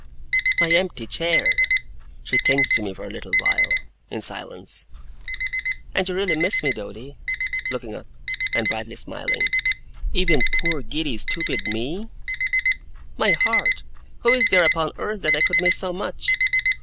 'My empty chair!' She clings to me for a little while, in silence. 'And you really miss me, Doady?' looking up, and brightly smiling. 'Even poor, giddy, stupid me?' 'My heart, who is there upon earth that I could miss so much?